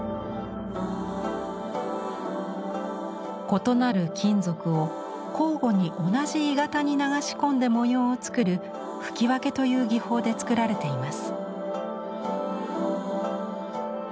異なる金属を交互に同じ鋳型に流し込んで模様を作る「吹分」という技法で作られています。